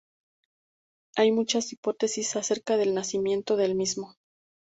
Hay muchas hipótesis acerca del nacimiento del mismo.